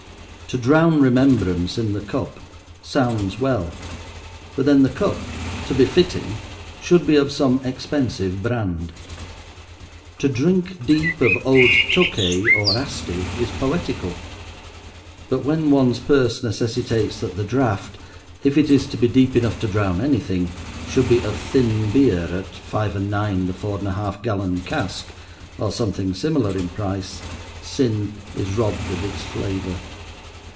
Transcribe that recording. "To drown remembrance in the cup" sounds well, but then the "cup," to be fitting, should be of some expensive brand. To drink deep of old Tokay or Asti is poetical; but when one's purse necessitates that the draught, if it is to be deep enough to drown anything, should be of thin beer at five and nine the four and a half gallon cask, or something similar in price, sin is robbed of its flavour.